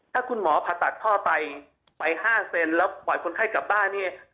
ถ้าคุณหมอผ่าตัดพ่อไปไป๕เซนแล้วปล่อยคนไข้กลับบ้านนี่